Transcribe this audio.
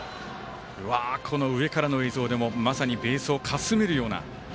上からの映像でもまさにベースをかすめるような。